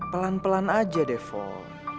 pelan pelan aja deh foll